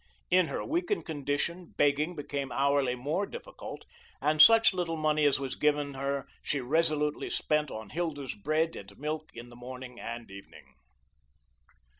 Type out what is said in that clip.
In her weakened condition, begging became hourly more difficult, and such little money as was given her, she resolutely spent on Hilda's bread and milk in the morning and evening.